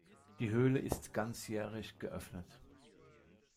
Die Höhle ist ganzjährig geöffnet.